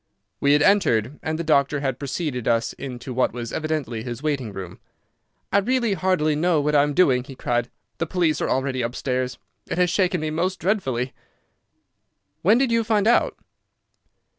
We had entered, and the doctor had preceded us into what was evidently his waiting room. "I really hardly know what I am doing," he cried. "The police are already upstairs. It has shaken me most dreadfully." "When did you find it out?"